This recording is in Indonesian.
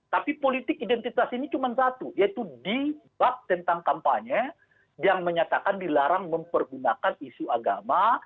tapi politik identitas ini cuma satu yaitu di bab tentang kampanye yang menyatakan dilarang mempergunakan isu agama